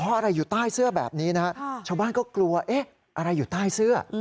เพราะอะไรอยู่ใต้เสื้อแบบนี้นะฮะชาวบ้านก็กลัวเอ๊ะอะไรอยู่ใต้เสื้อ